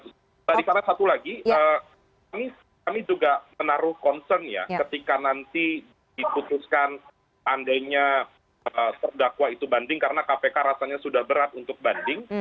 mbak rifana satu lagi kami juga menaruh concern ya ketika nanti diputuskan andainya terdakwa itu banding karena kpk rasanya sudah berat untuk banding